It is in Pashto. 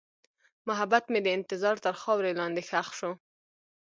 محبت مې د انتظار تر خاورې لاندې ښخ شو.